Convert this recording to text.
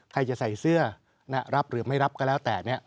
ใครจะใส่เสื้อรับหรือไม่รับก็แล้วแต่